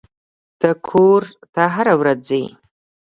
ته کور ته هره ورځ ځې.